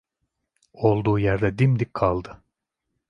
Olduğu yerde dimdik kaldı.